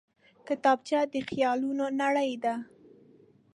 کتابچه د خیالونو نړۍ ده